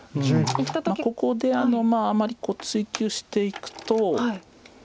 ここであまり追及していくと。